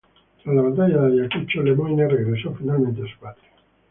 Tras la batalla de Ayacucho Lemoine regresó finalmente a su patria.